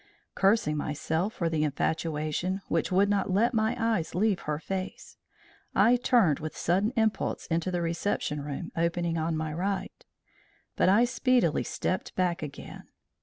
Cursing myself for the infatuation which would not let my eyes leave her face, I turned with sudden impulse into the reception room opening on my right. But I speedily stepped back again.